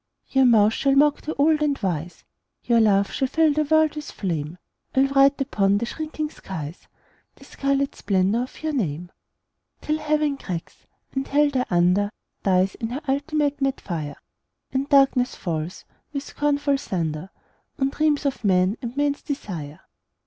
Your mouth shall mock the old and wise, Your laugh shall fill the world with flame, I'll write upon the shrinking skies The scarlet splendour of your name, Till Heaven cracks, and Hell thereunder Dies in her ultimate mad fire, And darkness falls, with scornful thunder, On dreams of men and men's desire.